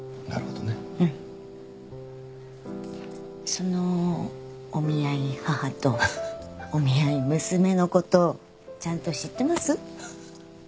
そのお見合い母とお見合い娘のことちゃんと知ってます？